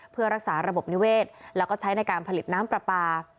เพื่อรักษาระบบนิเวศแล้วก็ใช้ในการผลิตน้ำปลาปลา